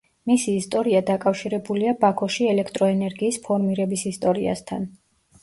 მისი ისტორია დაკავშირებულია ბაქოში ელექტროენერგიის ფორმირების ისტორიასთან.